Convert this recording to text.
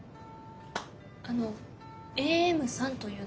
あのＡＭさんというのは？